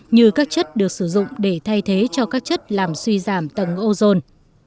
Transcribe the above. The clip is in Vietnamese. như các chất được sử dụng để thay thế cho các chất làm suy giảm tầng ozone